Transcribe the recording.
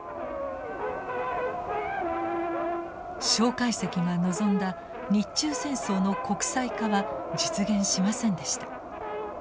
介石が望んだ日中戦争の国際化は実現しませんでした。